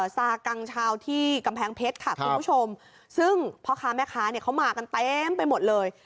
ซากังชาวที่กำแพงเพชรค่ะคุณผู้ชมซึ่งพ่อค้าแม่ค้าเนี่ยเขามากันเต็มไปหมดเลย